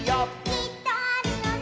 「きっとあるよね」